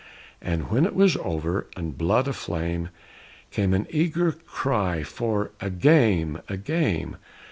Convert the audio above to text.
And when it was over, and blood aflame, Came an eager cry for "A game!" "A game!"